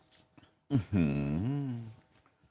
อื้อหือ